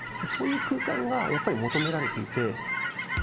そういう空間がやっぱり求められていて。